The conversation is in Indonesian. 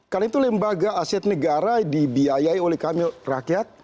karena itu lembaga aset negara dibiayai oleh kami rakyat